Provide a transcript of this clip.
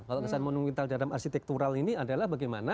kalau kesan monumental dalam arsitektural ini adalah bagaimana